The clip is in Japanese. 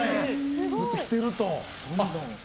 ずっと着てると、どんどん。